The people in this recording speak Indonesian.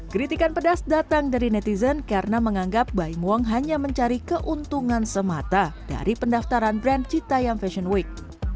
kritikan pedas datang dari netizen karena menganggap baim wong hanya mencari keuntungan semata dari pendaftaran brand cita yam fashion week